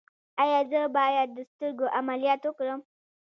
ایا زه باید د سترګو عملیات وکړم؟